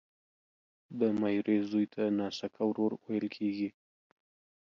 د ميرې زوی ته ناسکه ورور ويل کیږي